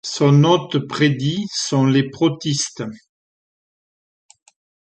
Son hôte prédit sont les protistes.